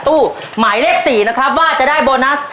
ตู้หมายเลข๔นะครับว่าจะได้โบนัส